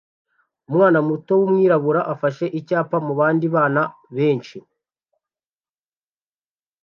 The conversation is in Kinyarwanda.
Umwana muto wumwirabura afashe icyapa mubandi bana benshi